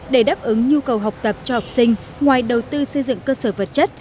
để đáp ứng nhu cầu học tập cho học sinh ngoài đầu tư xây dựng cơ sở vật chất